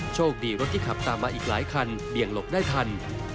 โชคดีรถที่ขับตามมาอีกหลายคันเบี่ยงหลบได้ทัน